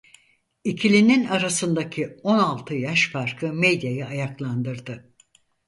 İkilinin arasındaki on altı yaş farkı medyayı ayaklandırdı.